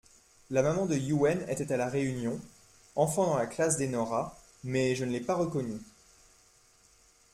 La maman de Youenn était à la réunion, enfant dans la classe d’Enora, mais je ne l’ai pas reconnue.